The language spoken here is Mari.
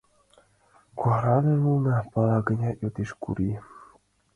— Кунарын улына? — пала гынат, йодеш Гурий.